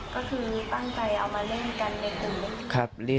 ก็คือตั้งใจเอามาเล่นกันในตรงนี้